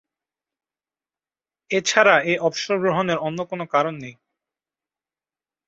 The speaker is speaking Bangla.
এছাড়া, এ অবসর গ্রহণের অন্য কোন কারণ নেই।